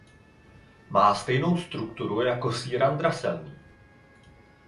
Má stejnou strukturu jako síran draselný.